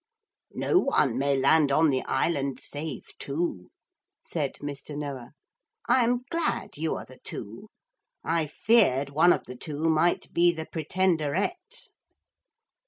'No one may land on the island save two,' said Mr. Noah. 'I am glad you are the two. I feared one of the two might be the Pretenderette.'